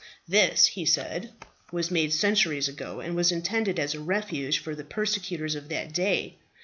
"This," he said, "was made centuries ago, and was intended as a refuge from the persecutors of that day.